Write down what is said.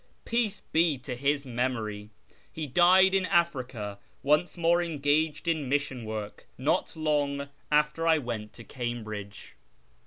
Peace be to his memory ! He died in Africa, once more engaged in mission work, not long after I went to Cambridge.